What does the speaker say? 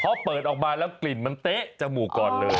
พอเปิดออกมาแล้วกลิ่นมันเต๊ะจมูกก่อนเลย